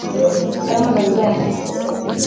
kama katiba ya nchi